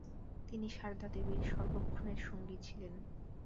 তিনি সারদা দেবীর সর্বক্ষণের সঙ্গী ছিলেন।